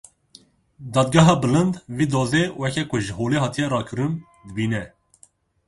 Dadgeha Bilind vê dozê weke ku ji holê hatiye rakirin, dibîne.